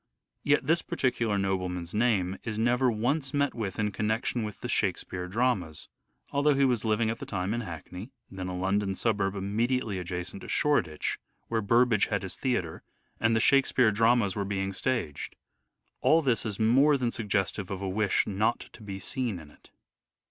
Yet this particular nobleman's name is never once met with in connection with the " Shakespeare " dramas, although he was living at the time in Hackney, then a London suburb immediately adjacent to Shoreditch, where Burbage had his theatre, and the Shakespeare dramas were being staged. All this is more than suggestive of a wish not to be seen in it.